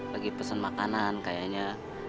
lagi pesen makanan kayaknya